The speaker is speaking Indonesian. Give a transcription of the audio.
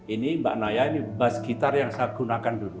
ini mbak naya ini bus gitar yang saya gunakan dulu